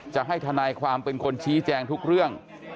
จะให้ทนายความเป็นคนชี้แจงทุกเรื่อง